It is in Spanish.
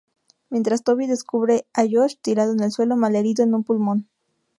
Mientras Toby descubre a Josh tirado en el suelo, malherido en un pulmón.